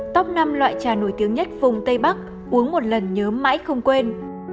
top năm loại trà nổi tiếng nhất vùng tây bắc uống một lần nhớ mãi không quên